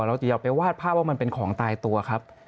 อย่าไปวาดภาพว่ามันเป็นของตายตัวครับ